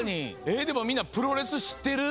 えでもみんなプロレスしってる？